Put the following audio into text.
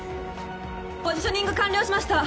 ポジショニング完了しました。